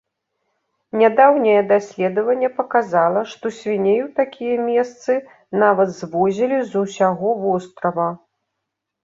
Нядаўняе даследаванне паказала, што свіней у такія месцы нават звозілі з усяго вострава.